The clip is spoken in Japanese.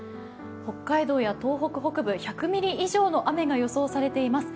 北海道や東北北部１００ミリ以上の雨が予想されています。